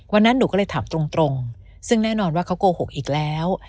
วันนั้นหนูก็เลยถามตรงซึ่งแน่นอนว่าเขาโกหกอีกแล้ว